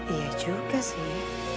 iya juga sih